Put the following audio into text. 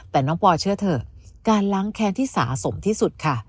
แต่น้องปอเชื่อเถอะการล้างแค้นที่สะสมที่สุดค่ะ